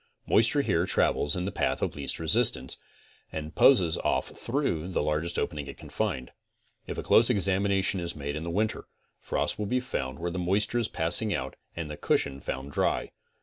Moisture here travels in the path of least resistance and posses off through the largest opening it can find. Ifa close examination is made in the winter frost will be found where the moisture is passing out and the cushion found dry.